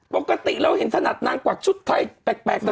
ปกติเราเห็นถนัดนางกวักชุดไทยแปลกแบบนี้